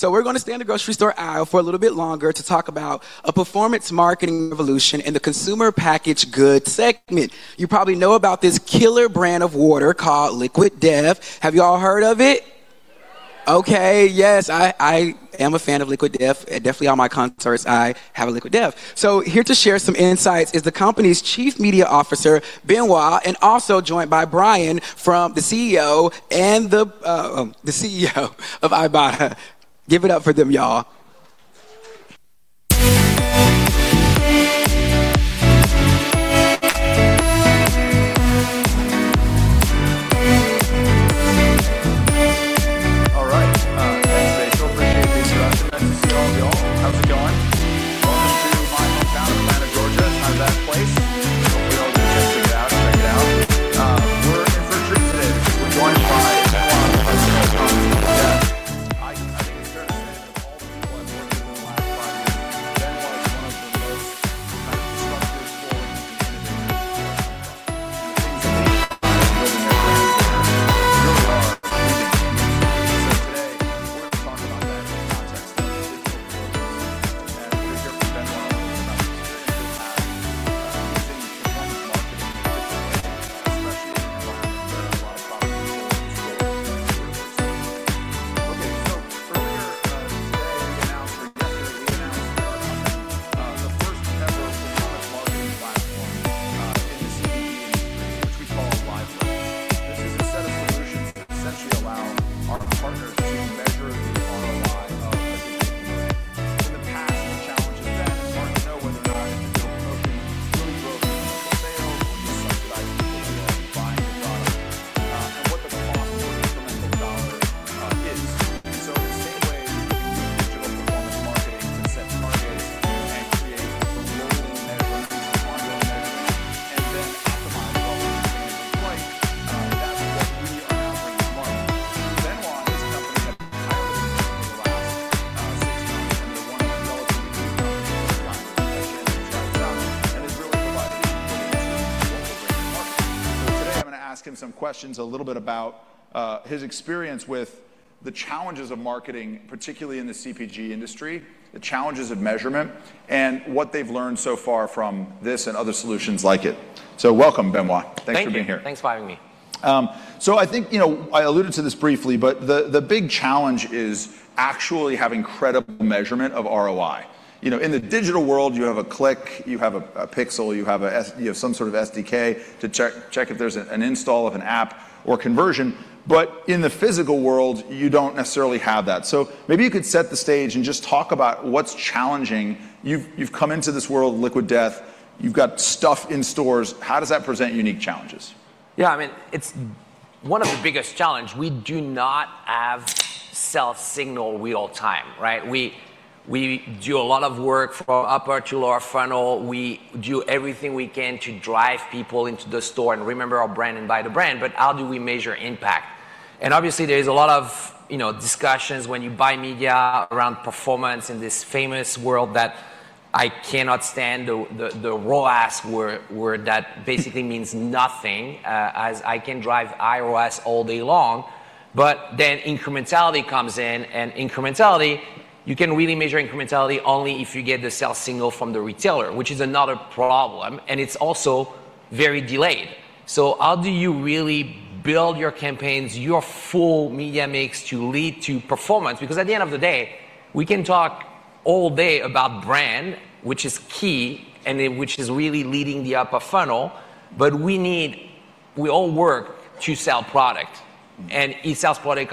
So we're going to stay in the grocery store aisle for a little bit longer to talk about a performance marketing revolution in the consumer packaged goods segment. You probably know about this killer brand of water called Liquid Death. Have you all heard of it? Yes. Okay, yes. I am a fan of Liquid Death. Definitely all my concerts, I have a Liquid Death. So here to share some insights is the company's Chief Media Officer, Benoit, and also joined by Bryan, the CEO of Ibotta. Give it up for them, y'all. [unintelligible] All right. Thanks, Dave. So appreciate being here after that. How's it going? Welcome to my hometown of Atlanta, Georgia. It's questions a little bit about his experience with the challenges of marketing, particularly in the CPG industry, the challenges of measurement, and what they've learned so far from this and other solutions like it. So welcome, Benoit. Thanks for being here. Thanks for having me. So I think I alluded to this briefly, but the big challenge is actually having credible measurement of ROI. In the digital world, you have a click, you have a pixel, you have some sort of SDK to check if there's an install of an app or conversion. But in the physical world, you don't necessarily have that. So maybe you could set the stage and just talk about what's challenging. You've come into this world, Liquid Death. You've got stuff in stores. How does that present unique challenges? Yeah, I mean, it's one of the biggest challenges. We do not have self-signal real time, right? We do a lot of work from upper to lower funnel. We do everything we can to drive people into the store and remember our brand and buy the brand. But how do we measure impact? And obviously, there is a lot of discussions when you buy media around performance in this famous world that I cannot stand, the ROAS, where that basically means nothing, as I can drive iOS all day long. But then incrementality comes in, and incrementality, you can really measure incrementality only if you get the self-signal from the retailer, which is another problem. And it's also very delayed. So how do you really build your campaigns, your full media mix to lead to performance? Because at the end of the day, we can talk all day about brand, which is key and which is really leading the upper funnel, but we all work to sell product. And it sells product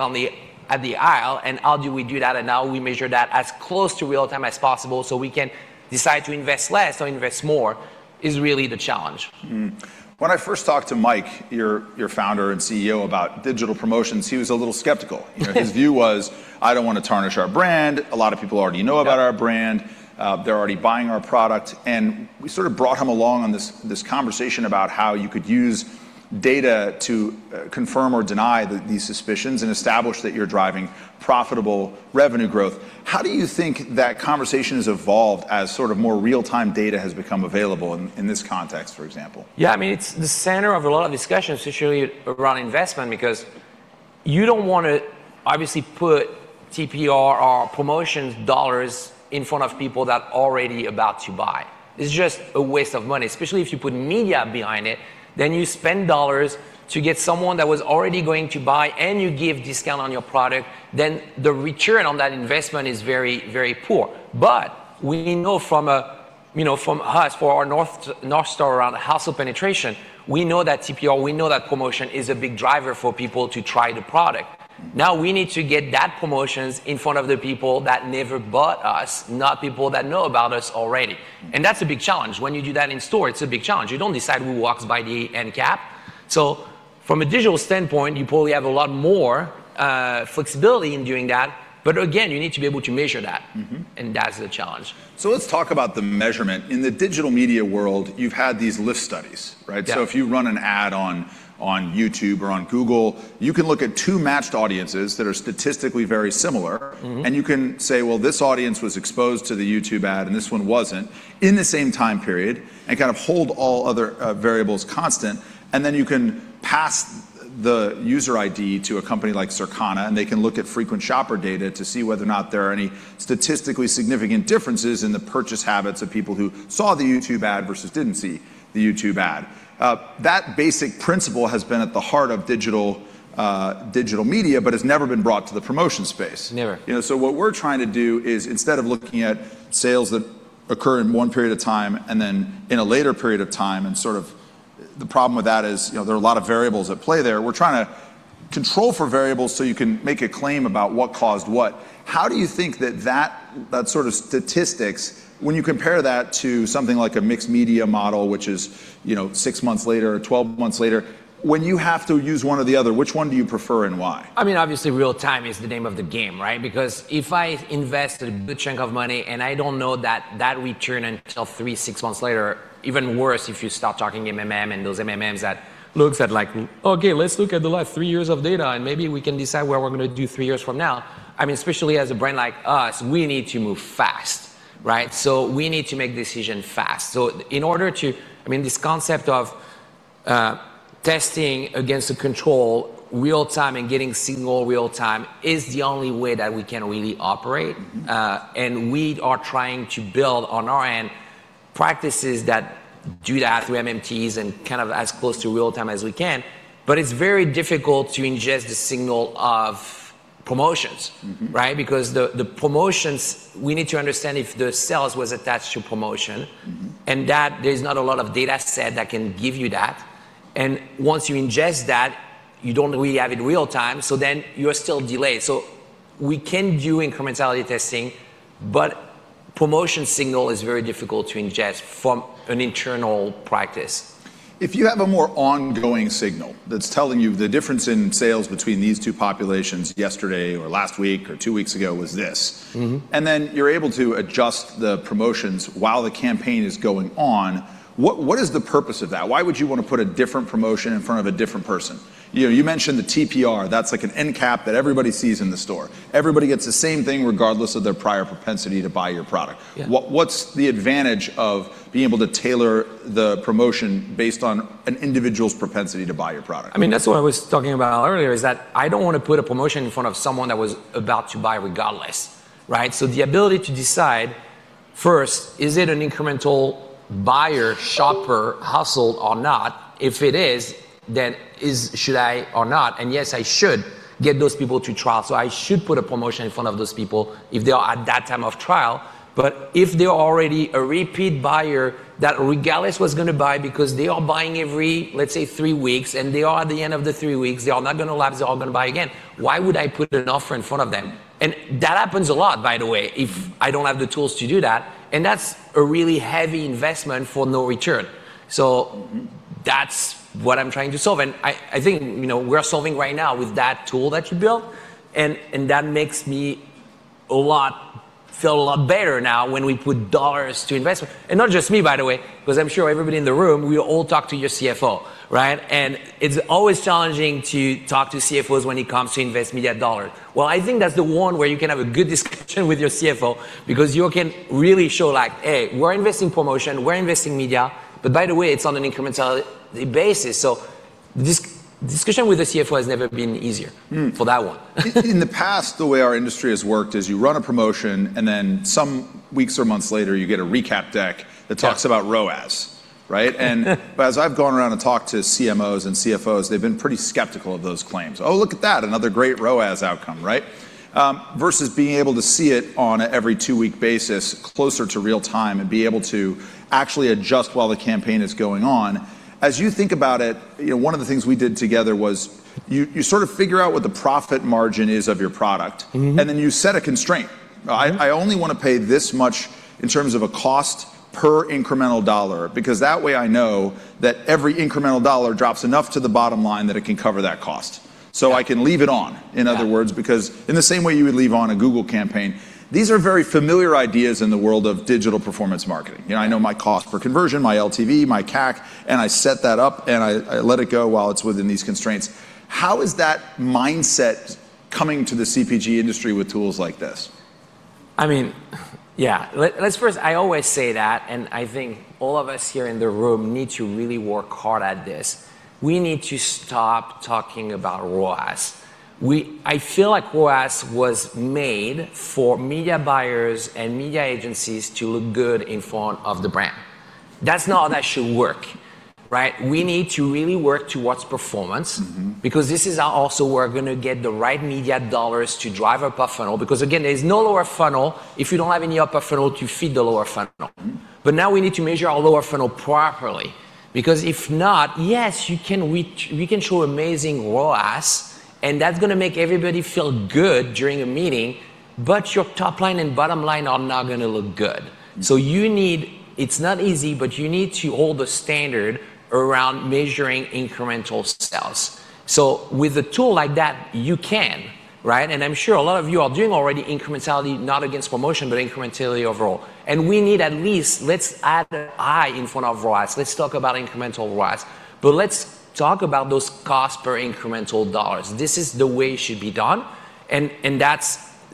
at the aisle. And how do we do that? And now we measure that as close to real time as possible so we can decide to invest less or invest more is really the challenge. When I first talked to Mike, your Founder and CEO, about digital promotions, he was a little skeptical. His view was, "I don't want to tarnish our brand. A lot of people already know about our brand. They're already buying our product." And we sort of brought him along on this conversation about how you could use data to confirm or deny these suspicions and establish that you're driving profitable revenue growth. How do you think that conversation has evolved as sort of more real-time data has become available in this context, for example? Yeah, I mean, it's the center of a lot of discussions, especially around investment, because you don't want to obviously put TPR or promotions dollars in front of people that are already about to buy. It's just a waste of money, especially if you put media behind it. Then you spend dollars to get someone that was already going to buy, and you give a discount on your product. Then the return on that investment is very, very poor. But we know from us for our North Star around household penetration, we know that TPR, we know that promotion is a big driver for people to try the product. Now we need to get that promotions in front of the people that never bought us, not people that know about us already. And that's a big challenge. When you do that in store, it's a big challenge. You don't decide who walks by the end cap. So from a digital standpoint, you probably have a lot more flexibility in doing that. But again, you need to be able to measure that. And that's the challenge. So let's talk about the measurement. In the digital media world, you've had these lift studies, right? So if you run an ad on YouTube or on Google, you can look at two matched audiences that are statistically very similar. And you can say, well, this audience was exposed to the YouTube ad and this one wasn't in the same time period and kind of hold all other variables constant. And then you can pass the user ID to a company like Circana, and they can look at frequent shopper data to see whether or not there are any statistically significant differences in the purchase habits of people who saw the YouTube ad versus didn't see the YouTube ad. That basic principle has been at the heart of digital media, but it's never been brought to the promotion space. Never. So what we're trying to do is instead of looking at sales that occur in one period of time and then in a later period of time, and sort of the problem with that is there are a lot of variables at play there. We're trying to control for variables so you can make a claim about what caused what. How do you think that sort of statistics, when you compare that to something like a marketing mix model, which is six months later or 12 months later, when you have to use one or the other, which one do you prefer and why? I mean, obviously, real time is the name of the game, right? Because if I invest a good chunk of money and I don't know that return until three, six months later, even worse if you start talking and those MMMs that looks at like, okay, let's look at the last three years of data and maybe we can decide what we're going to do three years from now. I mean, especially as a brand like us, we need to move fast, right? So we need to make decisions fast. So in order to, I mean, this concept of testing against the control real time and getting signal real time is the only way that we can really operate. And we are trying to build on our end practices that do that through MMMs and kind of as close to real time as we can. But it's very difficult to ingest the signal of promotions, right? Because the promotions, we need to understand if the sales was attached to promotion and that there's not a lot of data set that can give you that. And once you ingest that, you don't really have it real time. So then you're still delayed. So we can do incrementality testing, but promotion signal is very difficult to ingest from an internal practice. If you have a more ongoing signal that's telling you the difference in sales between these two populations yesterday or last week or two weeks ago was this, and then you're able to adjust the promotions while the campaign is going on, what is the purpose of that? Why would you want to put a different promotion in front of a different person? You mentioned the TPR. That's like an end cap that everybody sees in the store. Everybody gets the same thing regardless of their prior propensity to buy your product. What's the advantage of being able to tailor the promotion based on an individual's propensity to buy your product? I mean, that's what I was talking about earlier is that I don't want to put a promotion in front of someone that was about to buy regardless, right? So the ability to decide first, is it an incremental buyer, shopper, household or not? If it is, then should I or not? And yes, I should get those people to trial. So I should put a promotion in front of those people if they are at that time of trial. But if they are already a repeat buyer that regardless was going to buy because they are buying every, let's say, three weeks and they are at the end of the three weeks, they are not going to lapse, they are going to buy again, why would I put an offer in front of them? And that happens a lot, by the way, if I don't have the tools to do that. And that's a really heavy investment for no return. So that's what I'm trying to solve. And I think we're solving right now with that tool that you built. And that makes me feel a lot better now when we put dollars to investment. And not just me, by the way, because I'm sure everybody in the room, we all talk to your CFO, right? And it's always challenging to talk to CFOs when it comes to invest media dollars. Well, I think that's the one where you can have a good discussion with your CFO because you can really show like, hey, we're investing promotion, we're investing media, but by the way, it's on an incrementality basis. So, discussion with the CFO has never been easier for that one. In the past, the way our industry has worked is you run a promotion and then some weeks or months later, you get a recap deck that talks about ROAS, right? And as I've gone around and talked to CMOs and CFOs, they've been pretty skeptical of those claims. Oh, look at that, another great ROAS outcome, right? Versus being able to see it on an every two-week basis closer to real time and be able to actually adjust while the campaign is going on. As you think about it, one of the things we did together was you sort of figure out what the profit margin is of your product, and then you set a constraint. I only want to pay this much in terms of a cost per incremental dollar because that way I know that every incremental dollar drops enough to the bottom line that it can cover that cost. So I can leave it on, in other words, because in the same way you would leave on a Google campaign, these are very familiar ideas in the world of digital performance marketing. I know my cost per conversion, my LTV, my CAC, and I set that up and I let it go while it's within these constraints. How is that mindset coming to the CPG industry with tools like this? I mean, yeah, let's first, I always say that, and I think all of us here in the room need to really work hard at this. We need to stop talking about ROAS. I feel like ROAS was made for media buyers and media agencies to look good in front of the brand. That's not how that should work, right? We need to really work towards performance because this is also where we're going to get the right media dollars to drive up our funnel. Because again, there's no lower funnel if you don't have any upper funnel to feed the lower funnel. But now we need to measure our lower funnel properly because if not, yes, we can show amazing ROAS and that's going to make everybody feel good during a meeting, but your top line and bottom line are not going to look good. So you need, it's not easy, but you need to hold the standard around measuring incremental sales. So with a tool like that, you can, right? And I'm sure a lot of you are doing already incrementality, not against promotion, but incrementality overall. And we need at least, let's add an eye in front of ROAS. Let's talk about incremental ROAS. But let's talk about those costs per incremental dollars. This is the way it should be done. And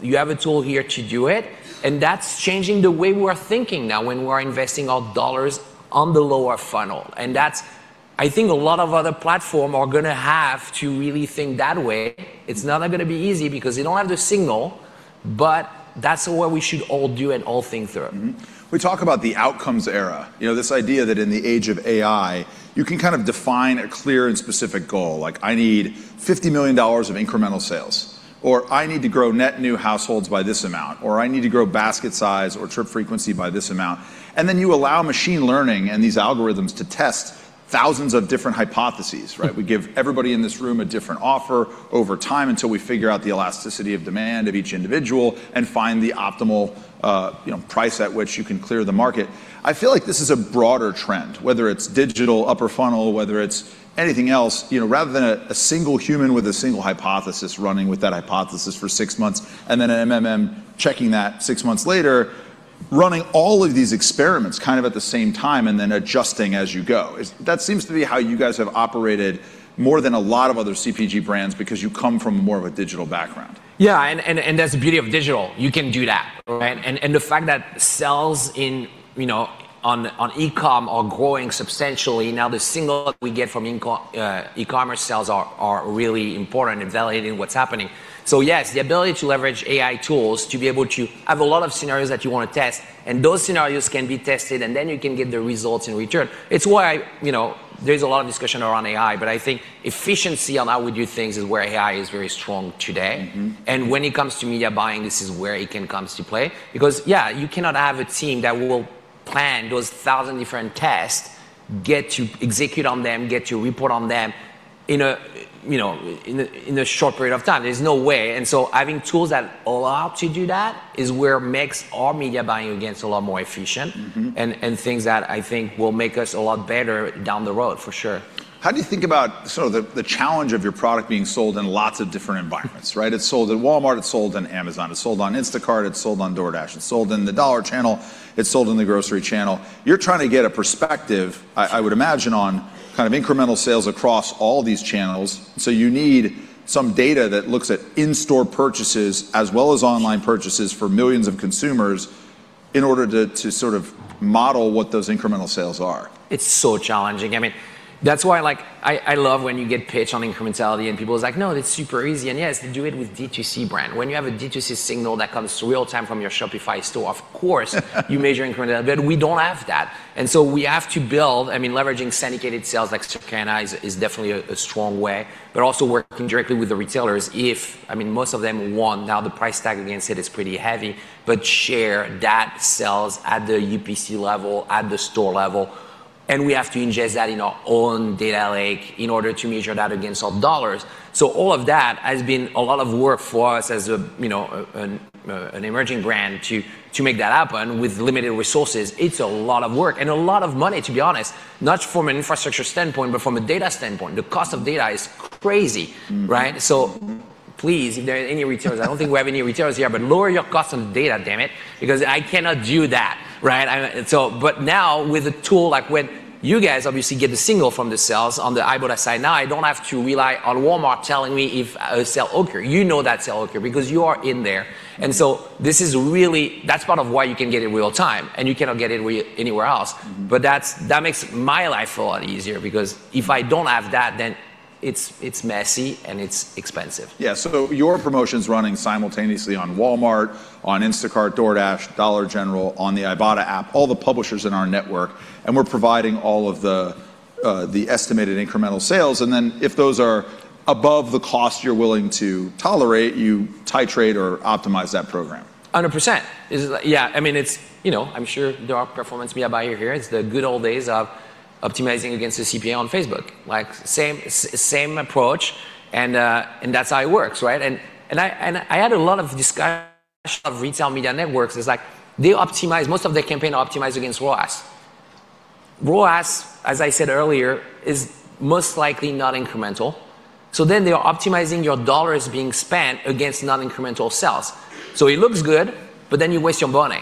you have a tool here to do it. And that's changing the way we're thinking now when we're investing our dollars on the lower funnel. And that's, I think a lot of other platforms are going to have to really think that way. It's not going to be easy because they don't have the signal, but that's what we should all do and all think through. We talk about the outcomes era. This idea that in the age of AI, you can kind of define a clear and specific goal like, "I need $50 million of incremental sales," or, "I need to grow net new households by this amount," or, "I need to grow basket size or trip frequency by this amount," and then you allow machine learning and these algorithms to test thousands of different hypotheses, right? We give everybody in this room a different offer over time until we figure out the elasticity of demand of each individual and find the optimal price at which you can clear the market. I feel like this is a broader trend, whether it's digital upper funnel, whether it's anything else, rather than a single human with a single hypothesis running with that hypothesis for six months and then and checking that six months later, running all of these experiments kind of at the same time and then adjusting as you go. That seems to be how you guys have operated more than a lot of other CPG brands because you come from more of a digital background. Yeah, and that's the beauty of digital. You can do that, right? And the fact that sales in e-comm are growing substantially now, the signal we get from e-commerce sales are really important in validating what's happening. So yes, the ability to leverage AI tools to be able to have a lot of scenarios that you want to test, and those scenarios can be tested, and then you can get the results in return. It's why there's a lot of discussion around AI, but I think efficiency on how we do things is where AI is very strong today. And when it comes to media buying, this is where it can come into play because, yeah, you cannot have a team that will plan those thousand different tests, get to execute on them, get to report on them in a short period of time. There's no way. And so having tools that allow to do that is where it makes our media buying a lot more efficient and things that I think will make us a lot better down the road for sure. How do you think about sort of the challenge of your product being sold in lots of different environments, right? It's sold at Walmart, it's sold on Amazon, it's sold on Instacart, it's sold on DoorDash, it's sold in the dollar channel, it's sold in the grocery channel. You're trying to get a perspective, I would imagine, on kind of incremental sales across all these channels. So you need some data that looks at in-store purchases as well as online purchases for millions of consumers in order to sort of model what those incremental sales are. It's so challenging. I mean, that's why I love when you get pitched on incrementality and people are like, "No, that's super easy," and yes, they do it with D2C brand. When you have a D2C signal that comes real time from your Shopify store, of course, you measure incrementality, but we don't have that, and so we have to build. I mean, leveraging syndicated sales like Circana is definitely a strong way, but also working directly with the retailers if, I mean, most of them want. Now the price tag against it is pretty heavy, but share that sales at the UPC level, at the store level, and we have to ingest that in our own data lake in order to measure that against our dollars. So all of that has been a lot of work for us as an emerging brand to make that happen with limited resources. It's a lot of work and a lot of money, to be honest, not from an infrastructure standpoint, but from a data standpoint. The cost of data is crazy, right? So please, if there are any retailers, I don't think we have any retailers here, but lower your cost on data, damn it, because I cannot do that, right? But now with a tool like when you guys obviously get the signal from the sales on the Ibotta side, now I don't have to rely on Walmart telling me if a sale occurred, you know that sale occurred because you are in there. And so this is really, that's part of why you can get it real time and you cannot get it anywhere else. But that makes my life a lot easier because if I don't have that, then it's messy and it's expensive. Yeah, so your promotion's running simultaneously on Walmart, on Instacart, DoorDash, Dollar General, on the Ibotta app, all the publishers in our network, and we're providing all of the estimated incremental sales. And then if those are above the cost you're willing to tolerate, you titrate or optimize that program. 100%. Yeah, I mean, it's, you know, I'm sure there are performance media buyers here. It's the good old days of optimizing against the CPA on Facebook. Same approach and that's how it works, right? And I had a lot of discussions of retail media networks. It's like they optimize, most of their campaigns are optimized against ROAS. ROAS, as I said earlier, is most likely non-incremental. So then they are optimizing your dollars being spent against non-incremental sales. So it looks good, but then you waste your money.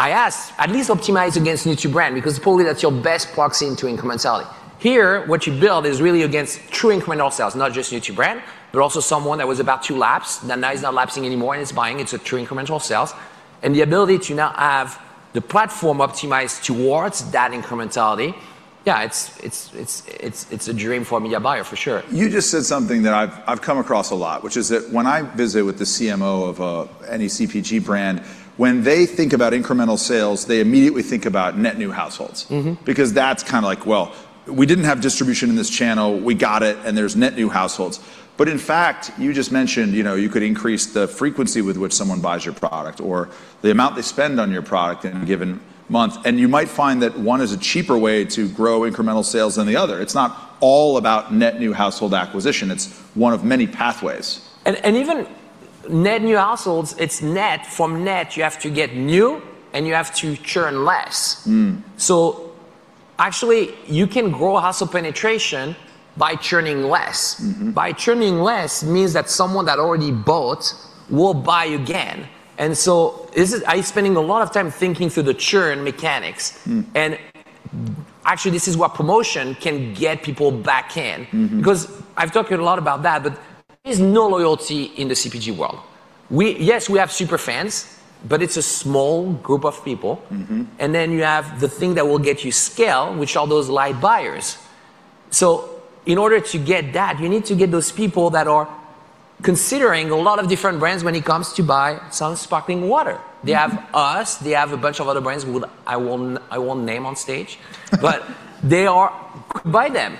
Now, I ask, at least optimize against YouTube brand because probably that's your best proxy into incrementality. Here, what you build is really against true incremental sales, not just YouTube brand, but also someone that was about to lapse, that now is not lapsing anymore and is buying. It's a true incremental sales. And the ability to now have the platform optimized towards that incrementality, yeah, it's a dream for a media buyer for sure. You just said something that I've come across a lot, which is that when I visit with the CMO of any CPG brand, when they think about incremental sales, they immediately think about net new households because that's kind of like, well, we didn't have distribution in this channel, we got it, and there's net new households. But in fact, you just mentioned you could increase the frequency with which someone buys your product or the amount they spend on your product in a given month. And you might find that one is a cheaper way to grow incremental sales than the other. It's not all about net new household acquisition. It's one of many pathways. Net new households, it's net-to-net. You have to get new and you have to churn less. So actually, you can grow household penetration by churning less. By churning less means that someone that already bought will buy again. And so I'm spending a lot of time thinking through the churn mechanics. And actually, this is what promotion can get people back in because I've talked a lot about that, but there's no loyalty in the CPG world. Yes, we have super fans, but it's a small group of people. And then you have the thing that will get you scale, which are those light buyers. So in order to get that, you need to get those people that are considering a lot of different brands when it comes to buying some sparkling water. They have us, they have a bunch of other brands I won't name on stage, but they are good, buy them.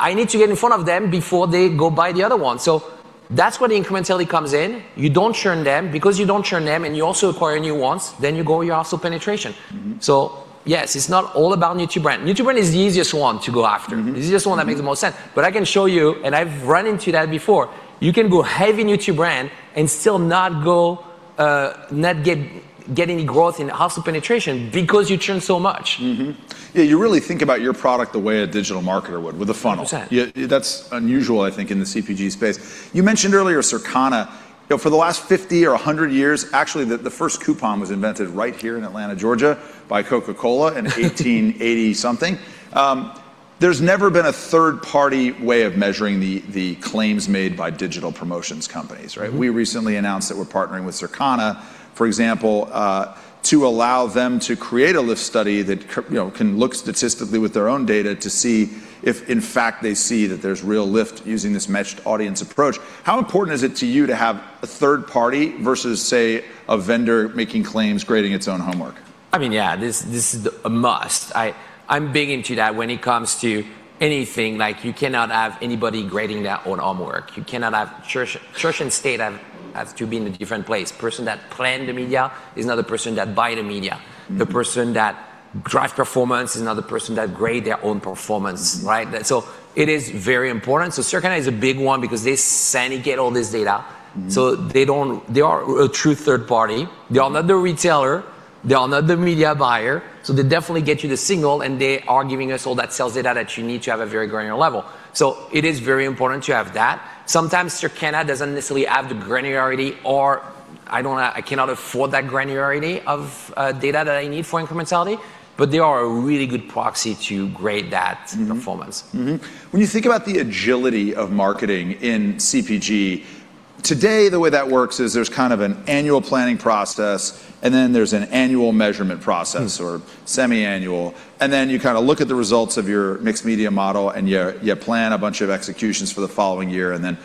I need to get in front of them before they go buy the other one. So that's where the incrementality comes in. You don't churn them because you don't churn them and you also acquire new ones, then you grow your household penetration. So yes, it's not all about YouTube brand. YouTube brand is the easiest one to go after. It's the easiest one that makes the most sense. But I can show you, and I've run into that before, you can go have a YouTube brand and still not get any growth in household penetration because you churn so much. Yeah, you really think about your product the way a digital marketer would with a funnel. That's unusual, I think, in the CPG space. You mentioned earlier Circana. For the last 50 or 100 years, actually the first coupon was invented right here in Atlanta, Georgia by Coca-Cola in 1880 something. There's never been a third-party way of measuring the claims made by digital promotions companies, right? We recently announced that we're partnering with Circana, for example. To allow them to create a lift study that can look statistically with their own data to see if in fact they see that there's real lift using this matched audience approach. How important is it to you to have a third-party versus, say, a vendor making claims grading its own homework? I mean, yeah, this is a must. I'm big into that when it comes to anything. Like you cannot have anybody grading that on homework. You cannot have church and state have to be in a different place. The person that planned the media is not the person that buys the media. The person that drives performance is not the person that grades their own performance, right? So it is very important. So Circana is a big one because they syndicate all this data. So they are a true third-party. They are not the retailer. They are not the media buyer. So they definitely get you the signal and they are giving us all that sales data that you need to have a very granular level. So it is very important to have that. Sometimes Circana doesn't necessarily have the granularity or I cannot afford that granularity of data that I need for incrementality, but they are a really good proxy to grade that performance. When you think about the agility of marketing in CPG, today the way that works is there's kind of an annual planning process and then there's an annual measurement process or semi-annual, and then you kind of look at the results of your marketing mix model and you plan a bunch of executions for the following year, and then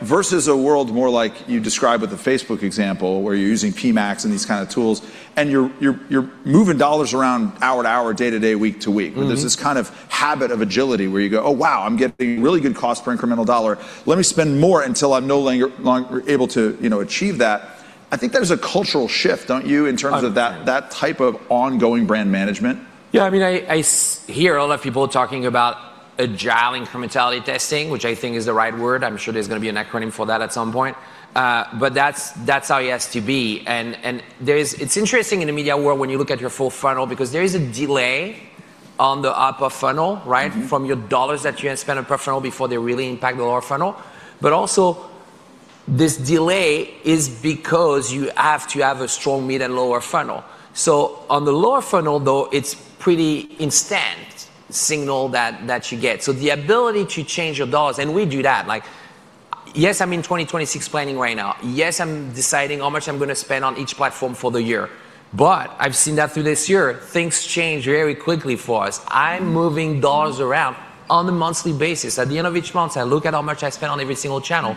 versus a world more like you described with the Facebook example where you're using PMAX and these kinds of tools and you're moving dollars around hour to hour, day to day, week to week, there's this kind of habit of agility where you go, "Oh wow, I'm getting really good cost per incremental dollar. Let me spend more until I'm no longer able to achieve that." I think there's a cultural shift, don't you, in terms of that type of ongoing brand management? Yeah, I mean, I hear a lot of people talking about agile incrementality testing, which I think is the right word. I'm sure there's going to be an acronym for that at some point. But that's how it has to be. And it's interesting in the media world when you look at your full funnel because there is a delay on the upper funnel, right, from your dollars that you have spent on upper funnel before they really impact the lower funnel. But also this delay is because you have to have a strong mid and lower funnel. So on the lower funnel, though, it's pretty instant signal that you get. So the ability to change your dollars, and we do that. Yes, I'm in 2026 planning right now. Yes, I'm deciding how much I'm going to spend on each platform for the year. But I've seen that through this year. Things change very quickly for us. I'm moving dollars around on a monthly basis. At the end of each month, I look at how much I spend on every single channel.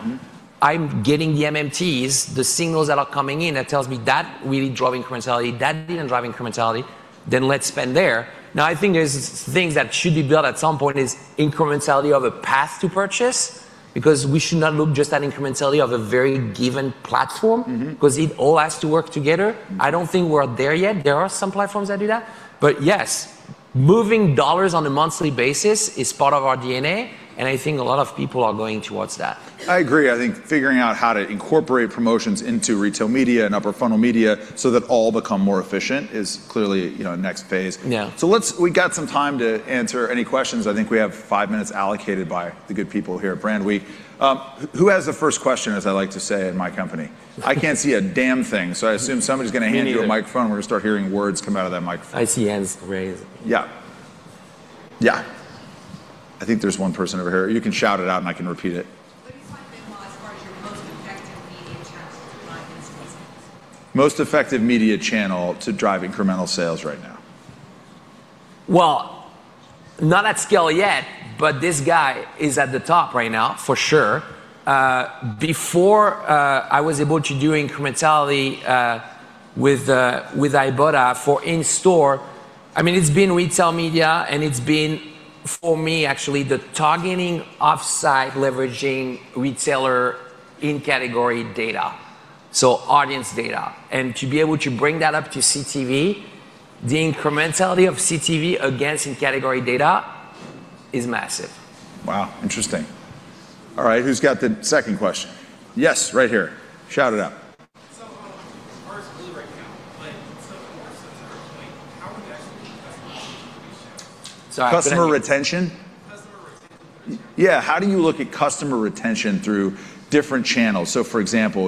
I'm getting the MMMs, the signals that are coming in that tells me that we need driving incrementality, that didn't drive incrementality, then let's spend there. Now, I think there's things that should be built at some point is incrementality of a path to purchase because we should not look just at incrementality of a very given platform because it all has to work together. I don't think we're there yet. There are some platforms that do that. But yes, moving dollars on a monthly basis is part of our DNA. And I think a lot of people are going towards that. I agree. I think figuring out how to incorporate promotions into retail media and upper funnel media so that all become more efficient is clearly a next phase. So we've got some time to answer any questions. I think we have five minutes allocated by the good people here at Brandweek. Who has the first question, as I like to say in my company? I can't see a damn thing. So I assume somebody's going to hand you a microphone. We're going to start hearing words come out of that microphone. I see hands raised. Yeah. Yeah. I think there's one person over here. You can shout it out and I can repeat it. What do you find as far as your most effective media channel to drive incremental sales? Most effective media channel to drive incremental sales right now? Not at scale yet, but this guy is at the top right now for sure. Before I was able to do incrementality with Ibotta for in-store, I mean, it's been retail media and it's been for me actually the targeting offsite leveraging retailer in category data, so audience data, and to be able to bring that up to CTV. The incrementality of CTV against in category data is massive. Wow, interesting. All right, who's got the second question? Yes, right here. Shout it out. So far as blue right now, but so far as our point, how are you actually looking at customer retention for retail? Customer retention? Customer retention for retail. Yeah, how do you look at customer retention through different channels? So, for example,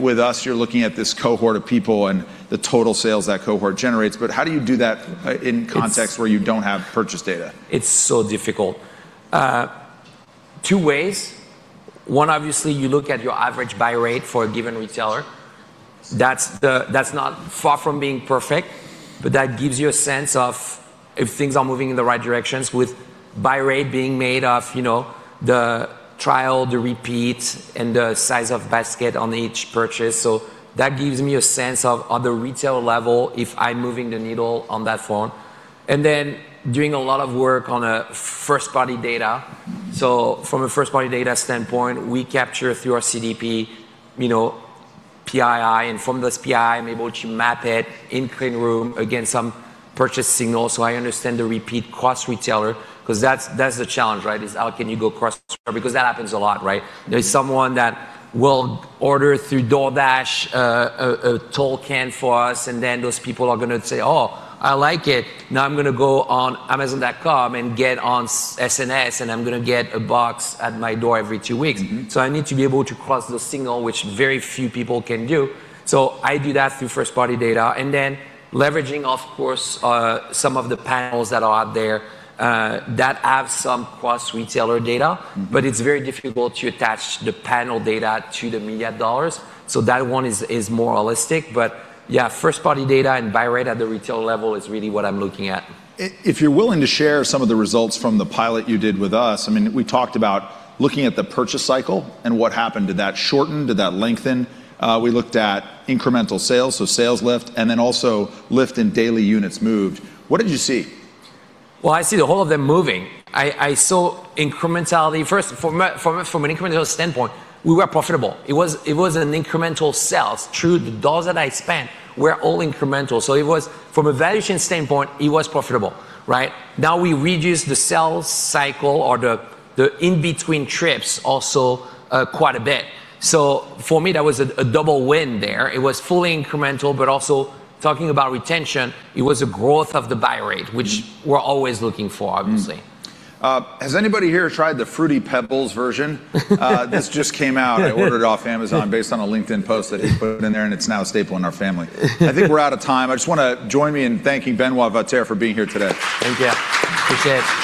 with us, you're looking at this cohort of people and the total sales that cohort generates. But how do you do that in context where you don't have purchase data? It's so difficult. Two ways. One, obviously you look at your average buy rate for a given retailer. That's not far from being perfect, but that gives you a sense of if things are moving in the right directions with buy rate being made up of the trial, the repeat, and the size of basket on each purchase. So that gives me a sense at the retail level if I'm moving the needle on that front. And then doing a lot of work on first-party data. So from a first-party data standpoint, we capture through our CDP PII, and from this PII, I'm able to map it in clean room against some purchase signals. So I understand the repeat cross retailer because that's the challenge, right? Is how can you go cross retailer because that happens a lot, right? There's someone that will order through DoorDash a tall can for us, and then those people are going to say, "Oh, I like it. Now I'm going to go on amazon.com and get on SNS, and I'm going to get a box at my door every two weeks." So I need to be able to cross the signal, which very few people can do. So I do that through first-party data. And then leveraging, of course, some of the panels that are out there that have some cross retailer data, but it's very difficult to attach the panel data to the media dollars. So that one is more holistic. But yeah, first-party data and buy rate at the retail level is really what I'm looking at. If you're willing to share some of the results from the pilot you did with us, I mean, we talked about looking at the purchase cycle and what happened. Did that shorten? Did that lengthen? We looked at incremental sales, so sales lift, and then also lift in daily units moved. What did you see? I see the whole of them moving. I saw incrementality. First, from an incremental standpoint, we were profitable. It was an incremental sales. True, the dollars that I spent were all incremental. So it was from a valuation standpoint, it was profitable, right? Now we reduced the sales cycle or the in-between trips also quite a bit. So for me, that was a double win there. It was fully incremental, but also talking about retention, it was a growth of the buy rate, which we're always looking for, obviously. Has anybody here tried the Fruity Pebbles version? This just came out. I ordered it off Amazon based on a LinkedIn post that he put in there, and it's now a staple in our family. I think we're out of time. I just want to join me in thanking Benoit Vatier for being here today. Thank you. Appreciate it.